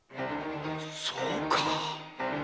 そうか！